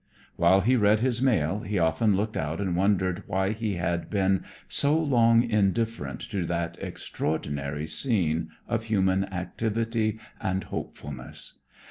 While he read his mail, he often looked out and wondered why he had been so long indifferent to that extraordinary scene of human activity and hopefulness.